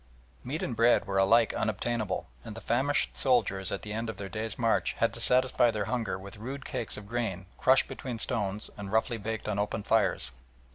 Meat and bread were alike unobtainable, and the famished soldiers at the end of their day's march had to satisfy their hunger with rude cakes of grain crushed between stones and roughly baked on open fires.